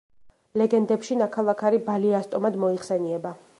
ლეგენდებში ნაქალაქარი „ბალიასტომად“ მოიხსენიება.